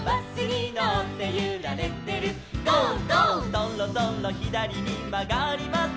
「そろそろひだりにまがります」